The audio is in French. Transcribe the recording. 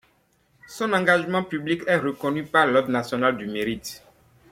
Son engagement public est reconnu par l’ordre national du Mérite.